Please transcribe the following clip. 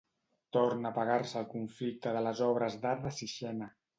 Torna a apagar-se el conflicte de les obres d'art de Sixena.